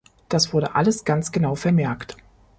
Das wurde alles ganz genau vermerkt.